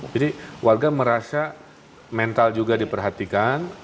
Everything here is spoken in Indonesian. jadi warga merasa mental juga diperhatikan